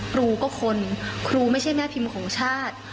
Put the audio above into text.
ครูก็คนครูไม่ใช่แม่พิมพ์ของชาติ